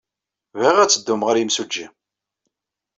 Bɣiɣ ad teddum ɣer yimsujji.